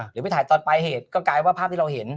หรือไปถ่ายตอนปลายเหตุก็กลายว่าภาพที่เราเห็น